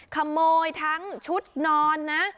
ขโมยทั้งชุดนอนนะ